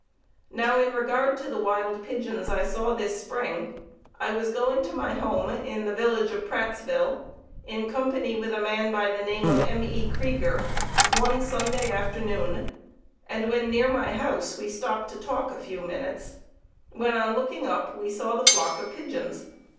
Now in regard to the wild pigeons I saw this spring. I was going to my home in the village of Prattsville, in company with a man by the name of M. E. Kreiger, one Sunday afternoon, and when near my house we stopped to talk a few minutes, when, on looking up, we saw the flock of pigeons.